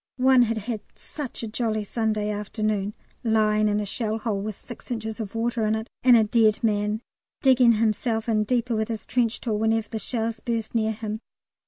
One had had "such a jolly Sunday afternoon" lying in a shell hole with six inches of water in it and a dead man, digging himself in deeper with his trench tool whenever the shells burst near him.